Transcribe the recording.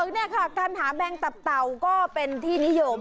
เนี่ยค่ะคำถามแม่งตับเตาก็เป็นที่นิยม